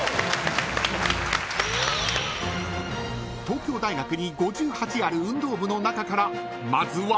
［東京大学に５８ある運動部の中からまずは］